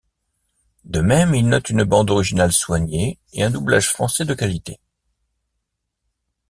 De même, il note une bande originale soignée et un doublage français de qualité.